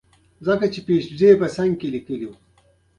خدای وو ښکلی پیدا کړی سر تر نوکه